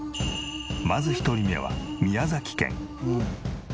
まず１人目は宮崎県。